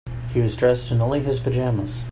He was dressed only in his pajamas.